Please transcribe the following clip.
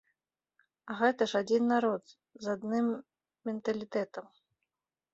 А гэта ж адзін народ, з адны менталітэтам.